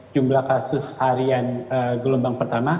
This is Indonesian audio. jumlah kasus harian gelombang pertama